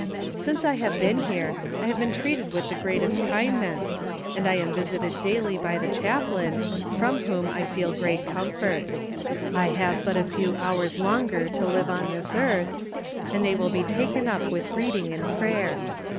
"Since I have been here I have been treated with the greatest kindness, and I am visited daily by the chaplain, from whom I feel great comfort. I have but a few hours longer to live on this earth, and they will be taken up with reading and prayer.